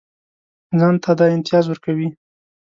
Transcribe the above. ځان ته دا امتیاز ورکوي.